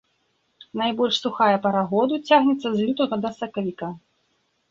Найбольш сухая пара году цягнецца з лютага да сакавіка.